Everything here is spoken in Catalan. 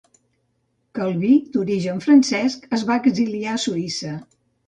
Calví, d'origen francès, es va exiliar a Suïssa.